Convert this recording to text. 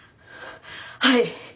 はい。